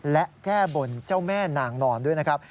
และแก้บนเจ้าแม่นางนอนด้วยนะครับ